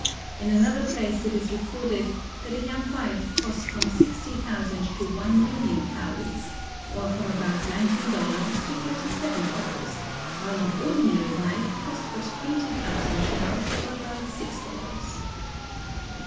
In another place it is recorded that a young wife cost from sixty thousand to one million Cowries, or from about nineteen dollars to thirty seven dollars, while an ordinary wife cost but twenty thousand shells or about six dollars.